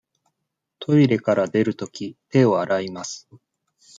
トイレから出るとき、手を洗います。